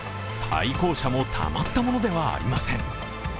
対向車もたまったものではありません。